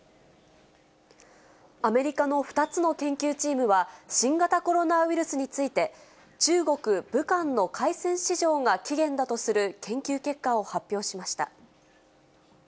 アメリカの２つの研究チームは、新型コロナウイルスについて、中国・武漢の海鮮市場が起源だとする研究結果を発表しました。